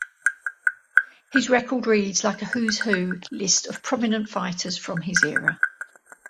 His record reads like a "who's who" list of prominent fighters from his era.